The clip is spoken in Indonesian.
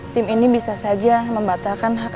tim ini bisa saja membatalkan